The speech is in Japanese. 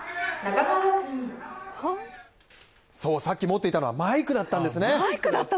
さっき持っていたのはマイクだったんですね。